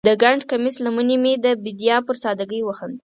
د ګنډ کمیس لمنې مې د بیدیا پر سادګۍ وخندل